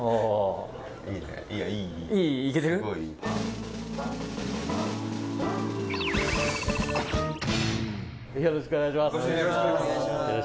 平河さん：よろしくお願いします。